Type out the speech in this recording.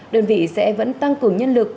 đơn vị sẽ vẫn tăng cường nhân lực